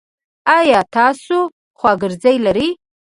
ایا تاسو خواګرځی لری؟